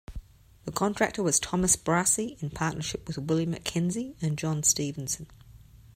The contractor was Thomas Brassey in partnership with William Mackenzie and John Stephenson.